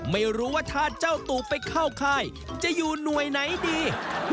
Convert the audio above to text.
ไม่รู้ว่าถ้าเจ้าตูบไปเข้าค่ายจะอยู่หน่วยไหนดี